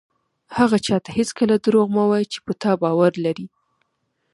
هغه چاته هېڅکله دروغ مه وایه چې په تا باور لري.